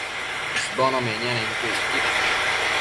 isbono nemianenquio icquid